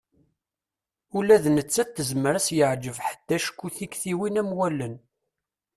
Ula d nettat tezmer ad s-yeɛǧeb ḥedd acku tiktiwin am wallen.